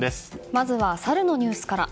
まずはサルのニュースから。